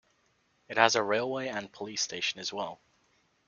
It has a railway and police station as well.